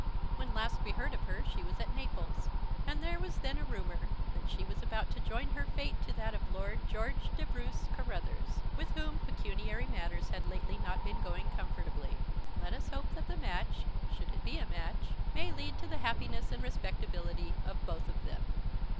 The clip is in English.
When last we heard of her she was at Naples, and there was then a rumour that she was about to join her fate to that of Lord George de Bruce Carruthers, with whom pecuniary matters had lately not been going comfortably. Let us hope that the match, should it be a match, may lead to the happiness and respectability of both of them.